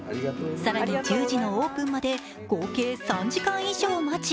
更に１０時のオープンまで合計３時間以上待ち